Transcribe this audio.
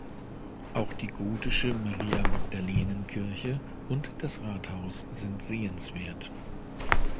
Auch die gotische Maria-Magdalenen-Kirche und das Rathaus sind sehenswert.